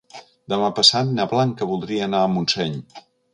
Demà passat na Blanca voldria anar a Montseny.